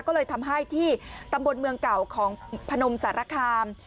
ก็เลยทำให้ที่ตำบลเมืองเก่าของพนมสารคาม